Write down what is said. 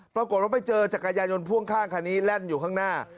ปรากฏว่าไปเจอจักรยานยนพ่วงข้างคันนี้แล่นอยู่ข้างหน้า